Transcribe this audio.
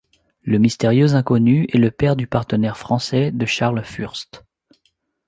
Le mystérieux inconnu est le père du partenaire français de Charles Fürst.